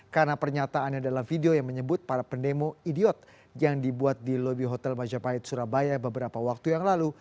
karena pernyataannya dalam video yang menyebut para pendemo idiot yang dibuat di lobby hotel majapahit surabaya beberapa waktu yang lalu